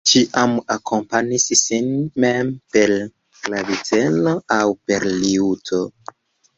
Ŝi ĉiam akompanis sin mem per klaviceno aŭ per liuto.